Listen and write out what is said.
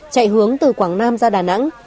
chạy hướng từ quảng nam ra đà nẵng